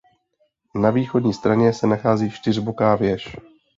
Na východní straně se nachází čtyřboká věž.